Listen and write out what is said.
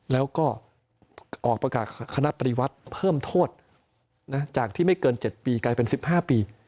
แล้วก็ออกประกาศคณะปฏิวัติเพิ่มโทษจากที่ไม่เกิน๗ปีกลายเป็น๑๕ปี